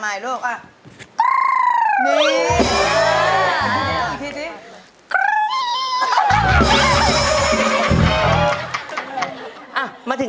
โฮลาเลโฮลาเลโฮลาเล